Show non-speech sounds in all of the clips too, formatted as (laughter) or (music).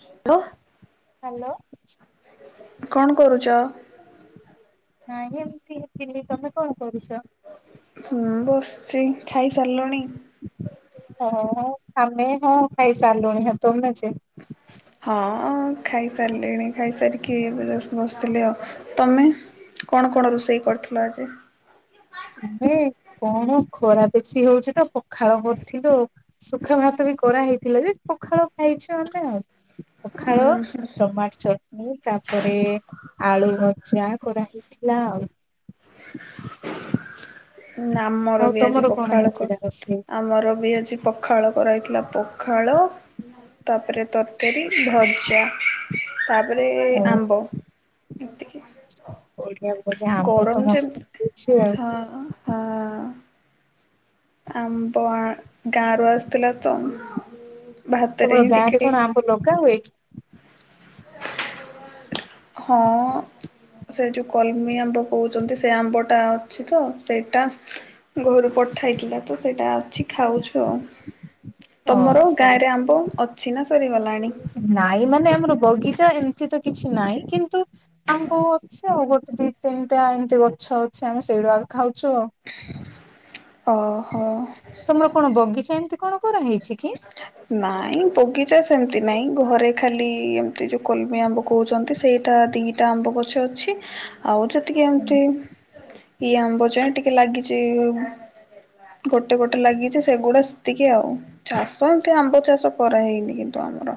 Hello କଣ କରୁଚ। ନାଇଁ ଏମିତି ଥିଲି ତମେ କଣ କରୁଚ। ହୁଁ ବସିଚି ଖାଇ ସାରିଲଣି। ହଁ ଆମେ ହଁ ଖାଇ ସାରିଲୁଣି ହେତଳୁ ଅଛେ। ହଁ ଖାଇସାରିଲିଣି ଖାଇସାରିକି ଏବେ ଜଷ୍ଟ ବସିଥିଲି ଆଉ ତମେ। କଣ କଣ ରୋଷେଇ କରିଥିଲ ଆଜି। ଆମେ କଣ ଖରା ବେଶୀ ହଉଚି ତ ପଖାଳ କରିଥିଲୁ ଶୁଖା ଭାତ କରାହେଇଥିଲା ଯେ ପଖାଳ ଖାଇଛ ଆମେ ପଖାଳ ଉଁ ହୁଁ ଟମାଟ ଚଟ ତାପରେ ଆଳୁ ଭଜା କରାହେଇଥିଲା ଆଉ। ଆମର ଆଉ ବି ତମର ଆଜି କଣ ପଖାଳକ ହେଇଥିଲା ରୋଷେଇ? ଆମର ବି ଆଜି ପଖାଳ କରାହେଇଥିଲା ପଖାଳ ତାପରେ ତରକାରୀ ଭଜା। ତାପରେ ହଁ ଆମ୍ବ ଏତିକି। ବଢ଼ିଆ ଭଜା ଆମ୍ବ ଗରମ ତ ଯେ ମସ୍ତ ହେ ହଁ ହଁ ଅ, ଅ ଆମ୍ବ ଆ ଗାଁ ରୁ ଆସିଥିଲା ତ। ଭାତରେ ତମର ହିଁ ଗାଁ ଟିକେ ରେ ଟିକେ କଣ ଆମ୍ବ ଲଗା ହୁଏ କି। ହଁ। ସେ ଯୋଉ କଲମି ଆମ୍ବ କହୁଛନ୍ତି ସେ ଆମ୍ବ ଟା ଅଛି ତ ସେଇଟା ଘରୁ ପଠାହେଇଥିଲା ତ ସେଇଟା ଅଛି ଖାଉଛୁ ଆଉ। ହଁ ତମର ଗାଁ ହଁ ରେ ଆମ୍ବ ଅଛି ନା ସରିଗଲାଣି। ନାଇଁ ମାନେ ଆମର ବଗିଚା ଏମିତି ତ କିଛି ନାହିଁ କିନ୍ତୁ ଆମ୍ବ ଅଛି ଆଉ ଗୋଟେ ଦି ତିନିଟା ଏମିତି ଗଛ ଅଛି ଆମେ ସେଇଢ଼ାଗ ଖାଉଚୁ। ଓ ହୋଁ। ତମର କଣ ବଗିଚା ଏମିତି କଣ କର ନାଇଁ ବଗିଚା ସେ ଏମିତି ନାହିଁ ଘରେ ଖାଲି ଏମିତି ଯେଉଁ କୋଲମି ଆମ୍ବ କହୁଛନ୍ତି ସେଇଟା ଦିଟା ଆମ୍ବ ଗଛ ଅଛି। ଆଉ ଯେତିକି ଏମତି ଇ ଆମ୍ବ ଯାଏ ଟିକେ ଲାଗିଛି-ଇ-ଇ-ଇ ଗୋଟେ ଗୋଟେ ଲାଗିଛି ସେଗୁଡା ସେତିକି ଆଉ। ଚାଷ ଏମିତି ଆମ୍ବ ଚାଷ କରାହେଇନି କିନ୍ତୁ ଆମର।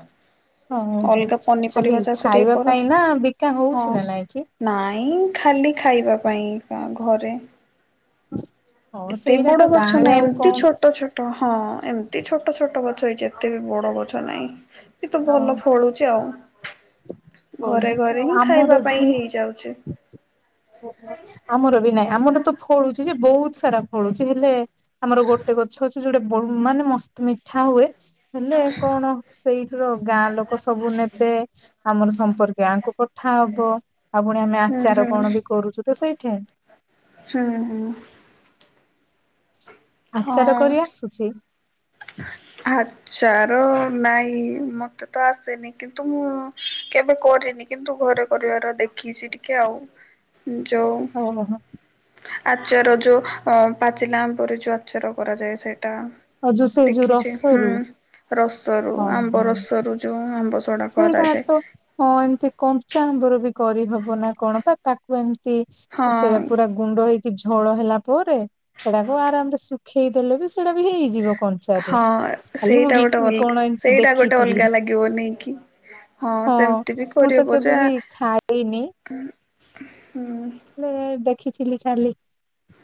ହଁ ହଁ ଅଲଗା ଖାଲି ପନିପରିବା ଚାଷ ଟିକେ ଖାଇବା କର, ପାଇଁ ନା ବିକା ହଁ। ହଉଛି ନା ନାଇଁ କି? ନାଇଁ ଖାଲି ଖାଇବା ପାଇଁ କା ଘରେ। ହଁ ଏତେ ସେଇଟା ବଡ ତ ଗଛ ଗାଁରେ ନାହି ଆଉ ଏମିତି କଣ ଛୋଟ ଛୋଟ ହଁ ଏମ୍ ଏମିତି ଛୋଟ ଛୋଟ ଗଛ ହେଇଛି ଏତେ ବି ବଡ ଗଛ ନାହିଁ କିନ୍ତୁ ଆଉ ଭଲ ଫଳୁଛି ଆଉ। କୋଉଠି ଘରେ ତ ଘରେ ହିଁ ଖାଇବା ଆମର ବି ପାଇଁ ହେଇ ଯାଉଛି। ଆମର ବି ନାଇଁ ଆମର ତ ଫଳୁଛି ଯେ ବହୁତ ସାରା ଫଳୁଛି ହେଲେ ଆମର ଗୋଟେ ଗଛ ଅଛି ଯୋଉଟା ବନ୍ ମାନେ ମସ୍ ମିଠା ହୁଏ ହେଲେ କଣ ସେଇଠି ର ଗାଁ ଲୋକ ସବୁ ନେବେ ଆମର ସମ୍ପର୍କୀୟ ଆଙ୍କୁ ପଠା ହବ ଆଉ ପୁଣି ଆମେ ହୁଁ ଆଚାର କଣ ବି କରଛୁ ତ ସେଇଠାଇ। ହଁ ହୁଁ। ଆଚାର ହଁ। କରି ଆସୁଛି? ଆଚାର ନାଇଁ ମତେ ତ ଆସେନି କିନ୍ତୁ ମୁଁ-ଉ-ଉ କେବେ କରିନି କିନ୍ତୁ ଘରେ କରିବାର ଦେଖିଛି ଟିକେ ଆଉ। ଯଉ ଓହୋ ଆଚାର ଯୋଉ ଅ ପାଚିଲା ଆମ୍ବ ରେ ଯୋଉ ଆଚାର କରାଯାଏ ସେଇଟା। ଆଉ ଯୋଉ ସେ ଯୋଉ ଦେଖିଛି ହୁଁ ରସରୁ ରସରୁ ହଁ ଆମ୍ବ ହଁ ରସରୁ ଯୋଉ ଆମ୍ବ ସଡା ସେଇଟା କରାଯାଏ ତ ହଁ ଏମତି କଞ୍ଚା ଆମ୍ବର ବି କରିହବ ନା କଣ ତା ତାକୁ ଏମତି ତି ସେଇଟା ହଁ। ପୁରା ଗୁଣ୍ଡ ହେଇ କି ଝୋଳ ହେଲା ପରେ ସେଟାକୁ ଆରାମରେ ଶୁଖେଇଦେଲେ ବି ସେଇଟା ବି ହେଇଯିବ। କଞ୍ଚାରୁ ହଁ ଖାଲି ମୁଁ ସେଇଟା ବି ଗୋଟେ ଅଲଗା କଣ ଏମିତି ସେଇଟା ଗୋଟେ ଦେଖିଥିଲି ଅଲଗା ଲାଗିବ ନେଇକି। ହଁ ସେମିତି ବି ମୁଁ ତ କରିହେବ କେବେ ଯେ ବି ଖାଇନି ହଁ ହେଲେ ଦେଖିଥିଲି ଖାଲି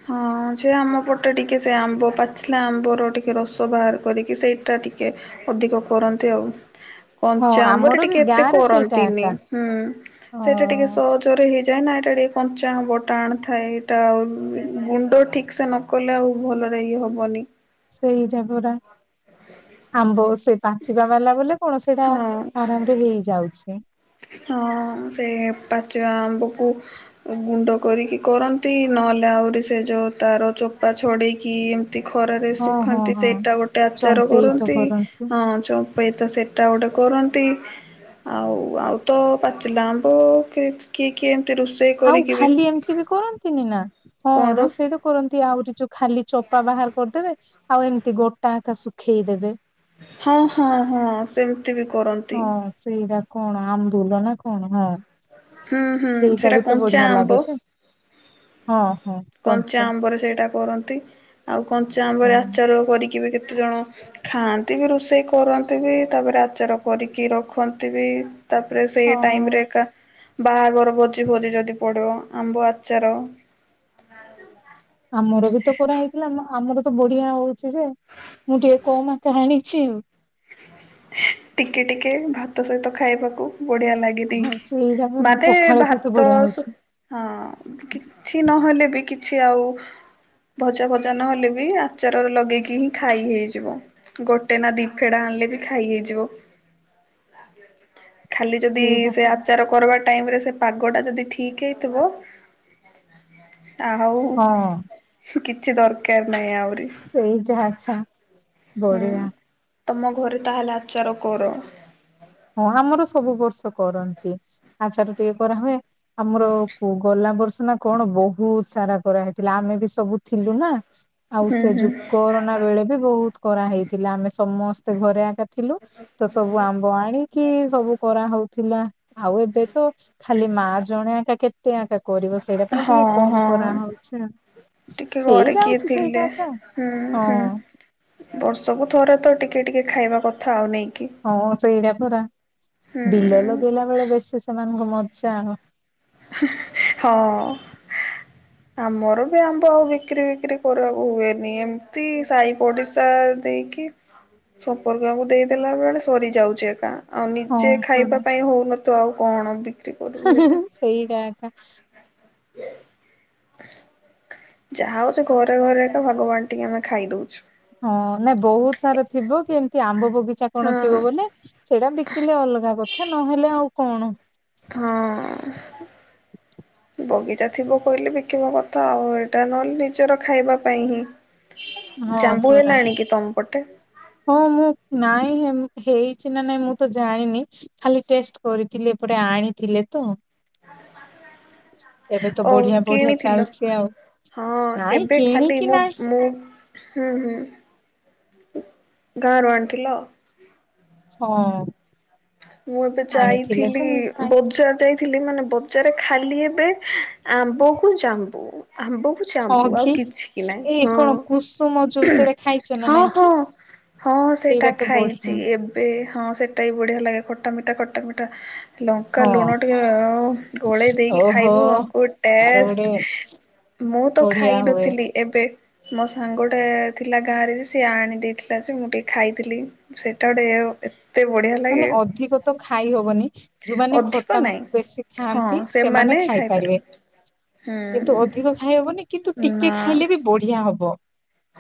ହଁ ଯେ ଆମ ପଟେ ଟିକେ ସେ ଆମ୍ବ ପାଚିଲା ଆମ୍ବର ଟିକେ ରସ ବାହାର କରିକି ସେଇଟା ଟିକେ ଅଧିକ କରନ୍ତି ଆଉ। ହଁ କଞ୍ଚାଆମ୍ବରେ ଆମର ବି ଟିକେ ଏତେ ଗାଁ ରେ ସେଇଟା କରନ୍ତିନି ଏକା ହୁଁ ସେଇଟା ଟିକେ ହଁ ସହଜରେ ହେଇଯା ଯାଏନା ଏଇଟା ଟିକେ କଞ୍ଚାଆମ୍ବ ଟାଣ ଥାଏ ଏଇଟା ଆଉ ଗୁଣ୍ଡ ଠିକ ସେ ନ କଲେ ଆଉ ଭଲରେ ଇଏ ହବନି। ସେଇଟା ପୁରା ଆମ୍ବ ସେ ପାଚିବା ବାଲା ବୋଲି କଣ ସେଇଟା ଆରାମରେ ହେଇଯାଉଛି। ହଁ-ଅ-ଅ ସେ ପାଚିବା ଆମ୍ବକୁ ଗୁଣ୍ଡ କରିକି କରନ୍ତି ନ ନହେଲେ ଆହୁରି ସେ ଯଉ ତାର ଚୋପା ଛଡ଼େଇକି ନ୍ତି ଖରାରେ ହଁ ହଁ ଶୁଖାନ୍ତି ହଁ ସେଇଟା ଗୋଟେ ଆଚାର ଚମ୍ପେଇ ତ କରନ୍ତି ହଁ ଯୋଉ ହୁଏ ତ ସେଟା ଗୋଟେ କରନ୍ତି ଆଉ ଆଉ ତ ପାଚିଲା ଆମ୍ବ କି କି ଆଉ ଖାଲି ଏମିତି ବି କରନ୍ତିନି ନା। ହଁ କଣ ରୋଷେଇ ତ କରନ୍ତି ଆହୁରି ଯୋଉ ଖାଲି ଚୋପା ବାହାର କରିଦେବେ ଆଉ ଏମିତି ଗୋଟା ଆକା ଶୁଖେଇଦେବେ। ହଁ ହଁ ହଁ ସେମିତି ବି କରନ୍ତି। ହଁ ସେଇଟା କଣ ଆମଦୁଲ ନା କଣ ହଁ। ହୁଁ ହୁଁ ସେଇଟା ବି ତ କଞ୍ଚା ବଢିଆ ଆମ୍ବ ଲାଗେ ଯେ ହଁ। କଞ୍ଚା ଆମ୍ବରେ ସେଇଟା କରନ୍ତି। ଆଉ କଞ୍ଚା ଆମ୍ବରେ ହଁ ଆଚାର କରିକି ବି କେତେ ଜଣ ଖାଆନ୍ତି (unintelligible) ରୋଷେଇ କରନ୍ତିବି, ତାପରେ ଆଚାର କରିକି ରଖନ୍ତିବି। ତାପରେ ସେଇ ହଁ ଟାଇମ ରେ ଏକା ବାହାଘର ଭୋଜିଭୋଜି ଯଦି ପଡିବ ଆମ୍ବ ଆଚାର। ଆମର ବି ତ କରାହେଇଥିଲା ଆମର ତ ବଢିଆ ହୋଇଛି ଯେ ମୁଁ ଟିକେ କମ କ ଆଣିଛି। ଟିକେ ଟିକେ ଭାତ ସହିତ ଖାଇବାକୁ ବଢିଆ ଆଉ ହଁ ଲାଗେନିକି। ସେଇଟା ପରା ମାନେ ପଖାଳ ସହିତ ଭାତ ବଢିଆ ହଁ ହଉଛି କିଛି ନହେଲେ ବି କିଛ କିଛି ଆଉ ଭଜା ଫଜା ନହେଲେ ବି ଆଚାରରେ ଲଗେଇକି ହିଁ ଖାଇ ହେଇଯିବ। ଗୋଟେ ନା ଦି ଫେଡା ଆଣିଲେ ବି ଖାଇ ହେଇଯିବ ଖାଲି ଯଦି ସେଇଟା ସେ ପରା ଆଚାର କର ଟାଇମରେ ସେ ପାଗ ଟା ଯଦି ଠିକ ହେଇଥିବ ଆଉ ହଁ କିଛି ଦରକାର ନାହିଁ ଆଉ। ସେଇଟା ଆଛା ହୁଁ। ବଢିଆ। ତମ ଘରେ ତାହେଲେ ଆଚାର କର? ହଁ ଆମର ସବୁ ବର୍ଷ କରନ୍ତି ଆଚାର ଟିକେ କରାହୁୁଏ। ଆମର କୁ ଗଲା ବର୍ଷ ନା କଣ ବହୁତ ସାରା କରାହେଇଥିଲା ଆମେ ବି ସବୁ ଥିଲୁ ନା ଆଉ ହୁଁ ସେ ହୁଁ କରୋନା ବେଳେ ବି ବହୁତ କରା ହେଇଥିଲା ଆମେ ସମସ୍ତେ ଘରେ ଏକା ଥିଲୁ ତ ସବୁ ଆମ୍ବ ଆଣି କି ସବୁ କରାହଉଥିଲା ଆଉ ଏବେ ତ ଖାଲି ମା ଜଣେ ଏକା କେତେ କ କରିବ ସେଇଟା ପାଇଁ ଟିକେ ହଁ କମ ହଁ। କରାହେଉଛି ଆଉ। ଟିକେ ହେଇ ଘରେ କିଏ ଯାଉଛି ସେଇଟା ଥିଲେ ଏକା ହୁଁ ହୁଁ ହଁ ବର୍ଷକୁ ଥରେ ତ ଟିକେ ଆସିବେ। ଟିକେ ଟିକେ ଖାଇବା କଥା ଆଉ ନାହିଁ। ହଁ ସେଇଟା ପା ହୁଁ ବିଲ ଲଗେଇଲା ବେଳେ ବେଶୀ ସେମାନଙ୍କ ମ ଆଚ୍ଛା। ହଁ। ଆମର ବି ଆମ୍ବ ଆଉ ବିକ୍ରିଫିକ୍ରି କରିବାକୁ ହୁଏନି। ଏମତି ସାହି ପଡିଶା ଦେଇକି କି ସମ୍ପର୍କୀୟକୁ ଦେଇଦେଲା ବେଳେ ସରିଯାଉଛି ଏକା। ଆଉ ହଁ ନିଜେ ପରା। ଖାଇବା ପାଇଁ ହଉନଥୁଅ ଆଉ କଣ। କରିବୁ ସେଇଟା ଏଙ୍କା ହ। ଯାହା ହଉଛି ଘରେ ଘରେ ତ ଭୋଗ ବାଣ୍ଟିକି ଆମେ ଖାଇ ଦଉଛୁ। ହଁ ନାଇଁ ବହୁତ ସାରା ଥିବ କି ଏମିତି ଆମ୍ବ ବଗ୍ ଗିଚା କଣ ଥିବ ହଁ ବୋଲେ ସେଇଟା ବିକିଲେ ଅଲଗା କଥା ନହେଲେ ଆଉ କଣ। ହ। ବଗିଚା ଥିବ କହିଲେ ବିକିବ କଥା ଆଉ ଏଇଟା ନହେଲେ ନିଜର ଖାଇବା ପାଇଁ ହିଁ। ହଁ ଜାମ୍ବୁ ପୁରା ହେଲାଣି କି ତମ ପଟେ ହଁ ମୁଁ ନାଇଁ ହେମ୍ ହେଇଛି ନା ନାଇଁ ମୁଁ ତ ଜାଣିନି ଖାଲି ଟେଷ୍ଟ କରିଥିଲି। ଏପଟେ ଆଣିଥିଲେ ତ। (inaudible) ଏବେ ତ ଓ ବଢିଆ ବଢିଆ କିଣିଥିଲ ଚାଲଛି ଆଉ। ହଁ ନାଇଁ ଏବେ ଖାଲି କିଣିକି ମୁଁ ନାଇଁ ମୁଁ ହୁଁ ହୁଁ ଗାଁ ରୁ ଆଣିଥିଲ? ହଁ। ମୁଁ ଏବେ ଆଣିଥିଲେ ଯାଇଥିଲି ତ ମୁଁ ଖାଇ ବଜାର ଯାଇଥି ଥିଲି ମାନେ ବଜାରେ ଖାଲି ଏବେ ଆମ୍ବକୁ ଜାମ୍ବୁ। ଆମ୍ବ କୁ ହଁ ଜାମ୍ବୁ ଆଉ କି କିଛି ନାଇଁ ଏଇ କଣ କୁସୁମ ଯୋଉ ହଁ ସେଇଟା ଖାଇଛ ନା ହଁ ନାଇଁ କି ହଁ। ହଁ ସେଇଟା ତ ଖାଇଛି ବଢିଆ ଏବେ ହଁ ସେଟା ବି ବଢିଆ ଲାଗେ ଖଟା ମିଠା ଖଟା ମିଠା। ଲଙ୍କା ହଁ ଲୁଣ ଟିକେ ଅ ଗୋଳେଇ ଦେଇକି ଓହୋ ଖାଇବ ଆ କଉ ତାର ଟେଷ୍ଟ ଗୋଟେ ମୁଁ ତ ଖାଇ ବଢିଆ ହୁଏ ନଥିଲି ଏବେ ମୋ ସାଙ୍ଗ ଟେ ଥିଲା ଗାଁ ରେ ଯେ ସିଏ ଆଣି ଦେଇଥିଲା ଯେ ମୁଁ ଟିକେ ଖାଇଥିଲି ସେଟା ଗୋଟେ ତେ ବଢ଼ିଆ ମାନେ ଲାଗେ। ଅଧିକ ତ ଖାଇ ହବନି ଯୋଉମାନେ ଅଧିକ ଖଟା ନାହିଁ ବେଶୀ ଖାଆନ୍ତି ସେମାନେ ଖାଇପାରିବେ। କିନ୍ତୁ ହୁଁ ଅଧିକ ଖାଇହବନି କିନ୍ତୁ ଟିକେ ନା ଖାଇଲେ ବି ବଢିଆ ହବ।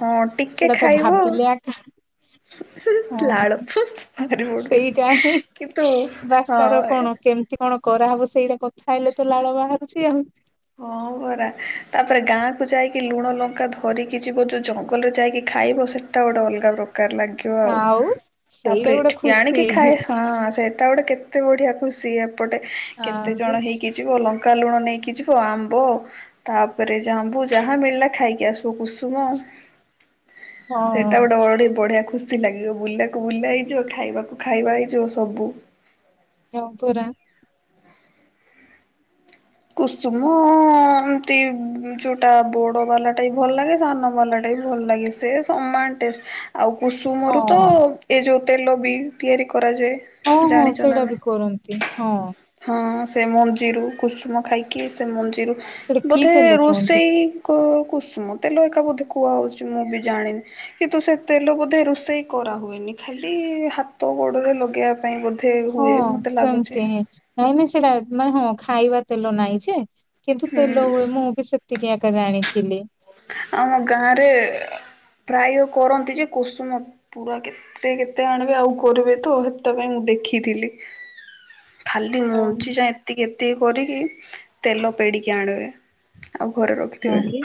ହଁ ଟିକେ ସେଇଟା ତ ଖାଇବ ଭାବିଲେ ଆକା ହଁ ଲାଳ ପଡୁଛି ସେଇଟା ହିଁ କିନ୍ତୁ ବାସ ହଁ ତାର କଣ କେମତି କଣ କଣ କରାହବ ସେଇଟା କଥା ହେଲେ ତ ଲାଳ ବାହାରୁଛି ଆଉ। ହଉ। ପରା ତାପରେ ଗାଁ କୁ ଯାଇକି ଲୁଣ ଲଙ୍କା ଧରିକି ଯିବ ଯୋଉ ଜଙ୍ଗଲରେ ଯାଇକି ଖାଇବ ସେଟା ଗୋଟେ ଅଲଗା ପ୍ର ଦରକାର ଲାଗିବ ଆଉ ସେଇଟା ତାପରେ ଏଠି ଗୋଟେ କି ଖୁସି ଆଣିକି ଖାଏ ହଁ ସେଟା ଗୋଟେ କେ କେତେ ବଢ଼ିଆ ଖୁସି ଏପଟେ କେତେ ଆଉ ଜଣ ହେଇକି ଯିବ ଲଙ୍କା ଲୁଣ ନେଇକି ଯିବ। ଆମ୍ବ ତାପରେ ଜାମ୍ବୁ ଯାହା ମିଳିଲା ଖାଇକି ଆସୁ। ସୁ କୁସୁମ ହଁ ସେଟା ଗୋଟେ ବଢେ ବଢିଆ ଖୁସି ଲାଗିବ ବୁଲାକୁ ବୁଲା ହେଇଯିବ ଖାଇବାକୁ ଖାଇବା ହେଇଯିବ ସବୁ। ଜଉ ପୁରା। କୁସୁମ ଏମତି ଯୋଉଟା ବୋଡ ବାଲାଟା ବି ଭଲ ଲାଗେ ସାନ ବାଲାଟା ଭଲ ଲାଗେ ସେ ସମାନ ଟେଷ୍ଟ ଆଉ ହଁ କୁସୁମରୁ ତ ଏଇ ଯୋଉ ତେଲ ବି ତିଆରି ହଁ କରାଯାଏ ହଁ ଜାଣିଛ ନା ସେଇଟା ବି ନାଇଁ କରନ୍ତି ହଁ ହଁ। ସେ ମଞ୍ଜିରୁ କୁସୁମ ଖାଇକି ସେ ମଞ୍ଜିରୁ ସେଇଟା କି ବୋଧେ ତେଲ କୁହନ୍ତି ରୋଷେଇ କ କୁ କୁଷୁମ ତେଲ ଏକା ବୋଧେ କୁହା ହଉଛି ମୁଁ ବି ଜାଣିନି କିନ୍ତୁ ସେ ତେଲ ବୋଧେ ରୋଷେଇ କରାହୁଏନି। ଖାଲି ହାତ ଗୋଡରେ ଲଗେଇବା ପାଇଁ ବୋଧେ ହଁ ହୁଏ ମତେ ଲାଗୁଛି। ସେମତି ନାଇଁ ନାଇଁ ସେଟା ମାନେ ହଁ ଖାଇବା ତେଲ ନାହିଁ ଯେ କିନ୍ତୁ ହୁଁ ତେଲ ହୁଏ ମୁଁ ବି ସେତିକି ଜାଣିଥିଲି। ଆମ ଗାଁ ରେ ପ୍ରାୟ କରନ୍ତି ଯେ କୋଷୁନ ପୁରା କେତେ କେତେ ଆଣିବେ ଆଉ କରିବେ ତ ହେତିପାଇ ଦେଖିଥିଲି। ଖାଲି ମଞ୍ଜି ହଁ। ଯାଏ ଏତିକି ଏତିକି କରିକି ତେଲ ପେଡ଼ିକି ଆଣିବେ। ଆଉ ଘରେ ହଁ ରଖିଥିବେ। କି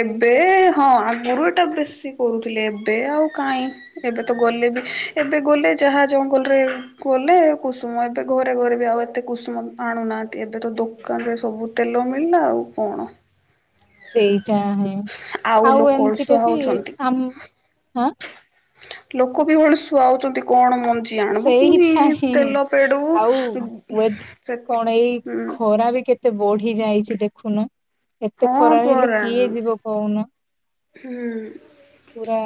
ଏବେ ହଁ ଆଗରୁ ଏଇଟା ବେଶୀ କରୁଥିଲେ ଏବେ ଆଉ କାହିଁ ଏବେ ତ ଗଲେ ବି ଏବେ ଗଲେ ଯାହା ଜଙ୍ଗଲରେ ଗଲେ କୁସୁମ ଏବେ ଘରେ ଘରେ ବି ଆଉ ଏତେ କୁସୁମ ଆଣୁ ନାହାନ୍ତି ଏବେ ତ ଦୋକାନରେ ସବୁ ତେଲ ମିଳିଲା ଆଉ କଣ। ସେଇଟା ହଁ ଆଉ ଲୋକ ଅଳସୁଆ ଏମିତିରେ ବି ହଉଛନ୍ତି। ଆମଁ ହଁ ଲୋକ ବି କଣ ଶୁଆଉଛନ୍ତି କଣ ମନ୍ଦିର ବଝ ଆଣିବୁ ପୁଣିି ସେଇଟା ହିଁ ତେଲ ପେଡୁ ଆଉ ୱେ ସେ କଣ ଏଇ ହୁଁ। ଖରା ବି କେତେ ବଢି ଯାଇଛି ଦେଖୁନ ଏତେ ହଁ ଖରା ହେଲେ ପରା କିଏ ଯିବ କହୁନ। ହୁଁ। ପୁରା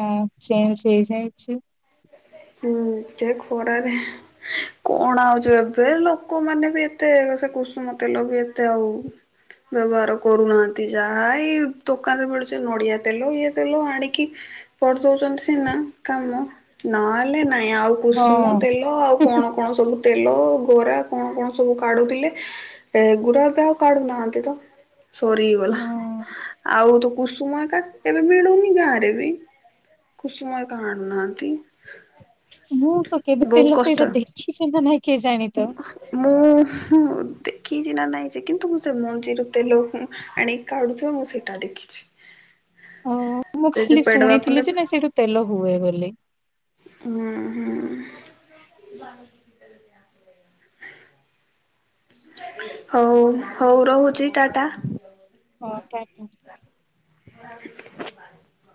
ଚଞେ ହେଇଯାଉଚି। ହୁଁ ଯେ ଖରାରେ କଣ ଆଉଛୁ ଏବେ ଲୋକମାନେ ବି ଏତେ ସେ କୁସୁମ ତେଲ ବି ଏତେ ଆଉ ବ୍ୟବହାର କରୁନାହାନ୍ତି ଯାହା ଏଇ ଦୋକାନରେ ମିଳୁଛି ନଡିଆ ତେଲ ଇଏ ତେଲ ଆଣିକି କରି ଦଉଛନ୍ତି ସିନା କାମ ନ ହେଲେ ନାଇଁ ଆଉ କୁସୁମ ହଁ। ତେଲ ଆଉ କଣ କଣ ସବୁ ତେଲ ଖରା କଣ କଣ ସବୁ କାଢଡୁଥିଲେ ଏ ଗୁରାବେ ଆଉ କାଢୁନାହାନ୍ତି ତ ସରିଗଲା ହଁ। ଆଉ ତୁ କୁସୁମା କା ଏବେ ଭଡୁନି ଗାଁରେ ବି କୁସୁମା କା ଆଣୁନାହାନ୍ତି। ମୁଁ ତ କେବେ ବହୁତ ତେଲ ସେଇଟା କଷ୍ଟ ଦେଖିଛି ନା ନାଇଁ କିଏ ଜାଣି ତ। ମୁଁ ଦେଖି ଚିନା ନହିଁଛି କିନ୍ତୁ ମୁଁ ସେ ମଞ୍ଜିରୁ ତେଲ ଆଣିକି କାଢୁଛିଉ ମୁଁ ସେଇଟା ଦେଖିଛି। ଅ ମୁଁ ସେ ଯୋଉ ଖାଲି ପେଡ ବାକୁୁଣ୍ଡା ଶୁଣିଥିଲି ଯେ ନା ସେଇଠୁ ତେଲ ହୁଏ ବୋଲି। ହୁଁ ହୁଁ। ହଉ ହଉ ରହୁଛି ଟାଟା। ହଁ ତାକୁ (unintelligible)